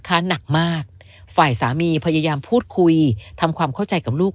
หนักมากฝ่ายสามีพยายามพูดคุยทำความเข้าใจกับลูก